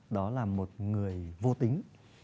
đó là một người vô tính